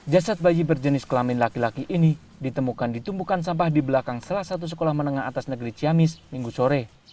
jasad bayi berjenis kelamin laki laki ini ditemukan di tumpukan sampah di belakang salah satu sekolah menengah atas negeri ciamis minggu sore